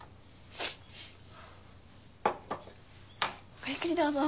ごゆっくりどうぞ。